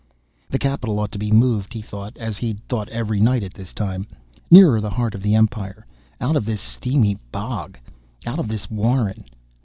The capital ought to be moved, he thought as he'd thought every night at this time. Nearer the heart of the empire. Out of this steamy bog. Out of this warren.